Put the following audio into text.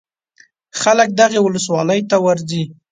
خلک دغې ولسوالۍ ته ورځي.